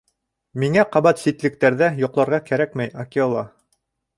— Миңә ҡабат ситлектәрҙә йоҡларға кәрәкмәй, Акела.